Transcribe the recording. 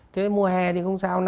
thế mùa hè thì không sao